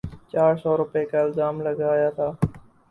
چار سو روپے کا الزام لگایا تھا۔